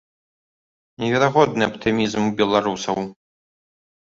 Неверагодны аптымізм у беларусаў.